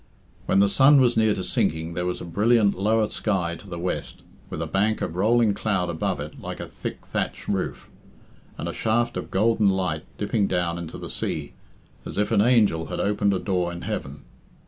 When the sun was near to sinking there was a brilliant lower sky to the west, with a bank of rolling cloud above it like a thick thatch roof, and a shaft of golden light dipping down into the sea, as if an angel had opened a door in heaven.